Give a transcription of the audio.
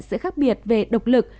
sự khác biệt về độc lực